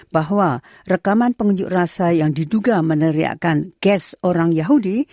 bahwa rekaman pengunjuk rasa yang diduga meneriakan ges orang yahudi